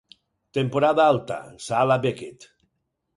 Temporada Alta, Sala Beckett.